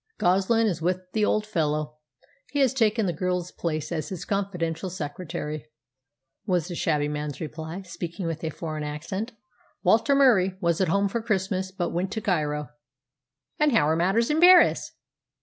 "Goslin is with the old fellow. He has taken the girl's place as his confidential secretary," was the shabby man's reply, speaking with a foreign accent. "Walter Murie was at home for Christmas, but went to Cairo." "And how are matters in Paris?"